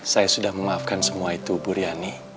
saya sudah memaafkan semua itu bu riani